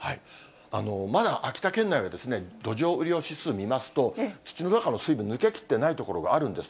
まだ秋田県内は、土壌雨量指数見ますと、土の中の水分、抜け切ってない所があるんです。